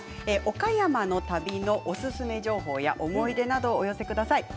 岡山の旅のおすすめ情報や思い出などお寄せください。